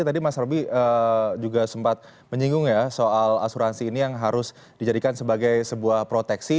tadi mas roby juga sempat menyinggung ya soal asuransi ini yang harus dijadikan sebagai sebuah proteksi